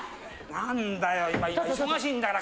何だよ？